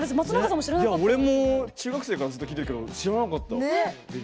俺も中学生から聞いてるけど、知らなかった。